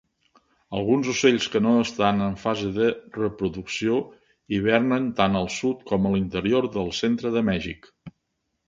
Alguns ocells que no estan en fase de reproducció hibernen tan al sud com l'interior del centre de Mèxic.